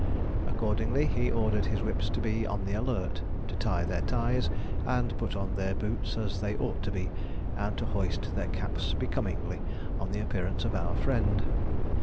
Accordingly, he ordered his whips to be on the alert, to tie their ties and put on their boots as they ought to be, and to hoist their caps becomingly on the appearance of our friend.